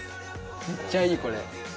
めっちゃいいこれ。